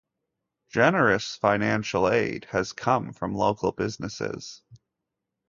Generous financial aid has come from local businesses.